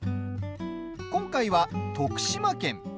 今回は、徳島県。